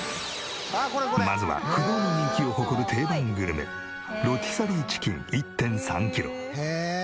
まずは不動の人気を誇る定番グルメロティサリーチキン１．３キロ。